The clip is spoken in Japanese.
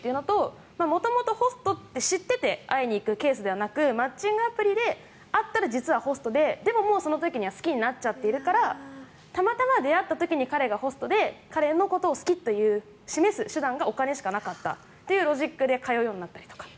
元々、ホストって知ってて会いに行くケースではなくマッチングアプリで会ったら実はホストでもうその時には好きになっちゃってるからたまたま出会った時に彼がホストで彼のことを好きと示す手段がお金しかなかったというロジックで通うようになったりとか。